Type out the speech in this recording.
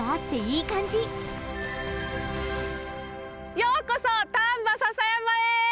ようこそ丹波篠山へ！